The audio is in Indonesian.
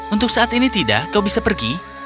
untuk saat ini tidak kau bisa pergi